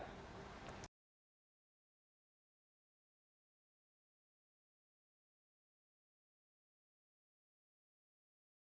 hari yang sama